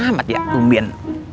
panas amat ya kumbien